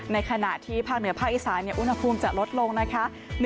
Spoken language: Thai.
ในขณะที่ภาคเหนือภาคอีสานอุณหภูมิจะลดลงนะคะ